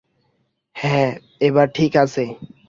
হ্যাঁ, এবার ঠিক আছে।